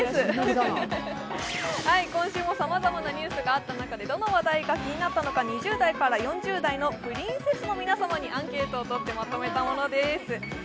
今週もさまざまなニュースがあった中でどの話題があったのか２０代から４０代にアンケートをとってまとめたものです。